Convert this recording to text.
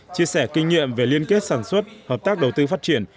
chia sẻ kinh nghiệm về liên kết sản xuất hợp tác đầu tư phát triển